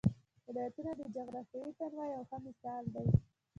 ولایتونه د جغرافیوي تنوع یو ښه مثال دی.